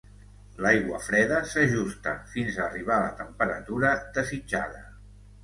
L'aigua freda s'ajusta fins a arribar a la temperatura desitjada.